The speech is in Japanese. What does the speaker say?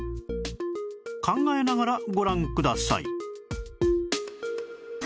考えながらご覧ください